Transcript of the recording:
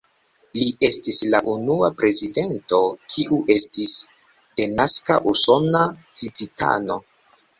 Li estis la unua prezidento, kiu estis denaska usona civitano.